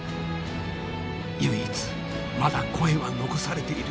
唯一まだ声は残されている。